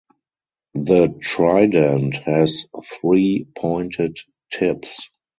The Trident has three pointed tips.